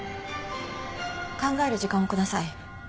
考える時間を下さい。